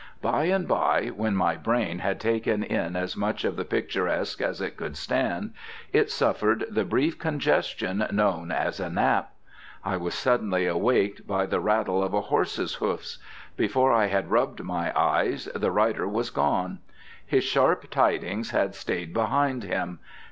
By and by, when my brain had taken in as much of the picturesque as it could stand, it suffered the brief congestion known as a nap. I was suddenly awaked by the rattle of a horse's hoofs. Before I had rubbed my eyes the rider was gone. His sharp tidings had stayed behind him.